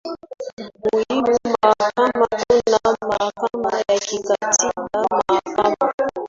muhimu Mahakama Kuna Mahakama ya kikatiba Mahakama